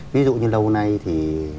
ví dụ như lâu nay thì